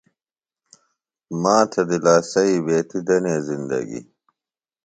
ماتھے دِلاسیئی بیتیۡ دنے زندگی۔